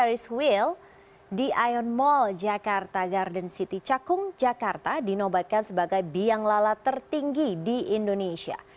ke bulan oktober dua ribu tujuh belas wahan yang bernama g sky ferris wheel di ion mall jakarta garden city cakung jakarta dinobatkan sebagai biang lala tertinggi di indonesia